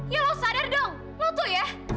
ya lo sadar dong lo tuh ya